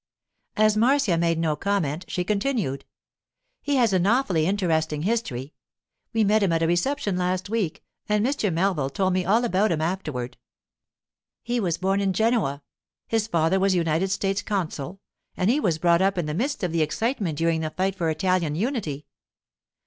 As Marcia made no comment, she continued: 'He has an awfully interesting history. We met him at a reception last week, and Mr. Melville told me all about him afterward. He was born in Genoa—his father was United States consul—and he was brought up in the midst of the excitement during the fight for Italian unity.